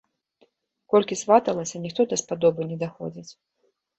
Колькі сваталася, ніхто даспадобы не даходзіць.